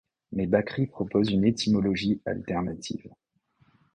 Mais Bacri propose une étymologie alternative.